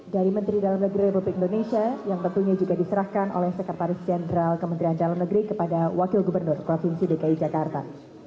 dari menteri dalam negeri republik indonesia yang tentunya juga diserahkan oleh sekretaris jenderal kementerian dalam negeri kepada wakil gubernur provinsi dki jakarta